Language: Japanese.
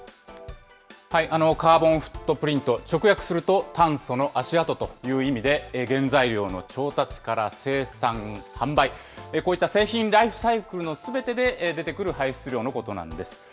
カーボンフットプリント、直訳すると炭素の足跡という意味で、原材料の調達から生産、販売、こういった製品ライフサイクルのすべてで出てくる排出量のことなんです。